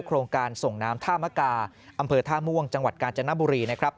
โครงการส่งน้ำท่ามกาอำเภอท่าม่วงจังหวัดกาญจนบุรีนะครับ